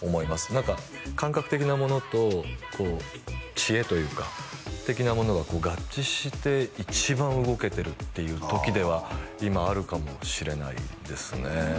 何か感覚的なものとこう知恵というか的なものが合致して一番動けてるっていう時では今あるかもしれないですね